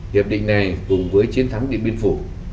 hiệp định này cùng với chiến thắng điện biên phủ